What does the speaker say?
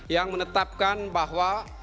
yang menetapkan bahwa